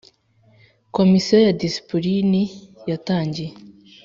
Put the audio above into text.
Komisiyo ya Disipulini yatangiye